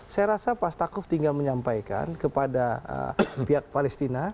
saya rasa pak stakuf tinggal menyampaikan kepada pihak palestina